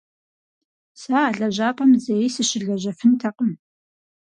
Сэ а лэжьапӏэм зэи сыщылэжьэфынтэкъым.